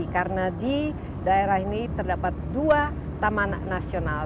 karena di daerah ini terdapat dua taman nasional